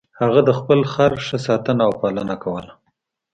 هغه د خپل خر ښه ساتنه او پالنه کوله.